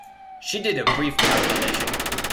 She did a brief calculation.